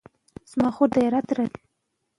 تر هغه چې انرژي سپما شي، کمښت به رامنځته نه شي.